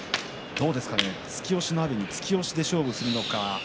突き押しの阿炎に突き押しで勝負ですかね。